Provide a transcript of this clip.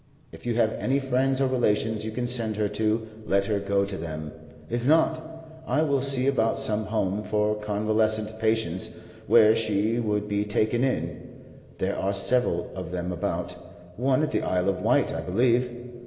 If you have any friends or relations you can send her to, let her go to them; if not, I will see about some home for convalescent patients where she would be taken in. There are several of them about; one at the Isle of Wight, I believe.